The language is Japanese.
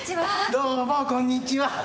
どうもこんにちは。